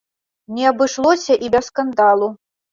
Не абышлося і без скандалу.